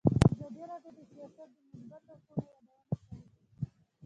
ازادي راډیو د سیاست د مثبتو اړخونو یادونه کړې.